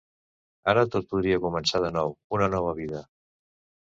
Ara tot podria començar de nou, una nova vida.